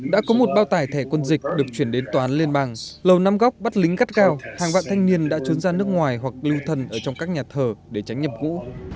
đã có một bao tải thẻ quân dịch được chuyển đến toán liên bang lầu nam góc bắt lính gắt gao hàng vạn thanh niên đã trốn ra nước ngoài hoặc lưu thần ở trong các nhà thờ để tránh nhập vũ